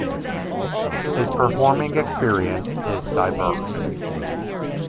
His performing experience is diverse.